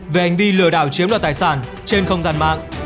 về hành vi lừa đảo chiếm đoạt tài sản trên không gian mạng